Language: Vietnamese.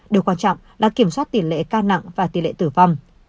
điều quan trọng là kiểm soát tỷ lệ ca nặng và tỷ lệ tử vong